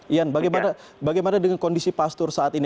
ian bagaimana dengan kondisi pastur saat ini